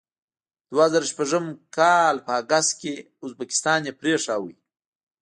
دوه زره شپږ کال په اګست کې یې ازبکستان پرېښود.